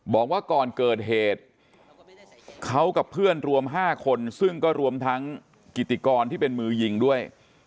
บอกว่าก่อนเกิดเหตุเขากับเพื่อนรวม๕คนซึ่งก็รวมทั้งกิติกรที่เป็นมือยิงด้วย